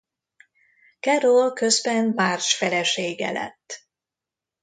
Carol közben már March felesége lett.